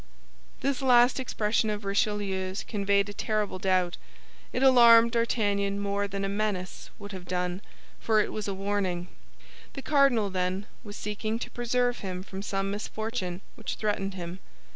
This last expression of Richelieu's conveyed a terrible doubt; it alarmed D'Artagnan more than a menace would have done, for it was a warning. The cardinal, then, was seeking to preserve him from some misfortune which threatened him.